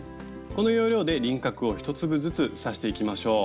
この要領で輪郭を１粒ずつ刺していきましょう。